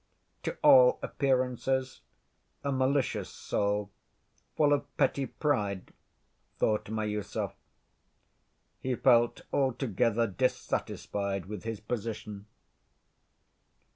"To all appearances a malicious soul, full of petty pride," thought Miüsov. He felt altogether dissatisfied with his position.